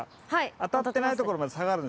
当たってないところまで下がるんです